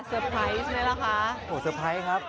อ่อสเตอร์ไพรส์ครับ